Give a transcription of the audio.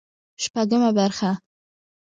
شپږمه برخه